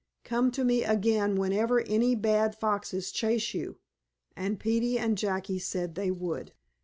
Come to me again whenever any bad foxes chase you." And Peetie and Jackie said they would.